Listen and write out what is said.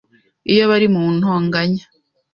iyo bari mu ntonganya,